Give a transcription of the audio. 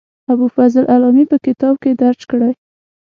ابوالفضل علامي په کتاب کې درج کړې.